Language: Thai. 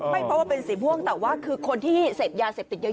ไม่เพราะว่าเป็นสีม่วงแต่ว่าคือคนที่เสพยาเสพติดเยอะ